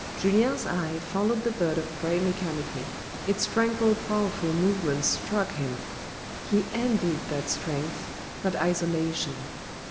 Julien's eye followed the bird of prey mechanically. Its tranquil powerful movements struck him. He envied that strength, that isolation.